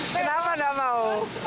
kenapa nggak mau